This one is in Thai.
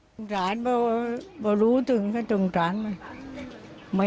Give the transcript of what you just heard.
ส่งหลานพอรู้ถึงส่งหลานไม่เอาไปให้